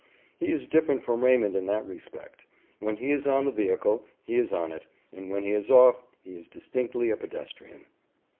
He is different from Raymond in that respect. When he is on the vehicle, he is on it, and, when he is off, he is distinctly a pedestrian.